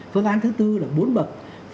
phương án thứ bốn là bốn bậc